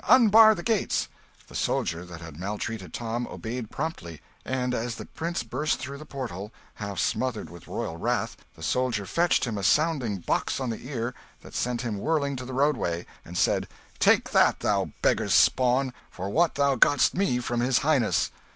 Unbar the gates!" The soldier that had maltreated Tom obeyed promptly; and as the prince burst through the portal, half smothered with royal wrath, the soldier fetched him a sounding box on the ear that sent him whirling to the roadway, and said "Take that, thou beggar's spawn, for what thou got'st me from his Highness!"